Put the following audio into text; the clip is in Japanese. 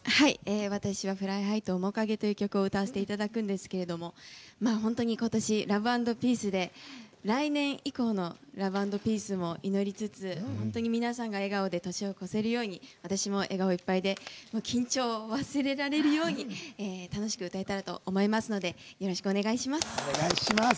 私は「ＦｌｙＨｉｇｈ」と「おもかげ」という曲を歌わせていただくんですが本当に今年「ＬＯＶＥ＆ＰＥＡＣＥ」で来年以降の「ＬＯＶＥ＆ＰＥＡＣＥ」を祈りつつ、皆さんが笑顔で年を越せるように私も笑顔いっぱいで緊張を忘れられるように楽しく歌えたらと思いますのでよろしくお願いします。